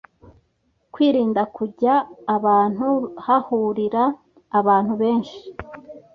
kwirinda kujya abantu hahurira abantu benshi